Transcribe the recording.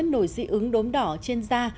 nổi dị ứng đốm đỏ trên da